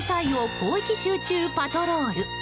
広域集中パトロール。